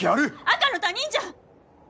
赤の他人じゃん！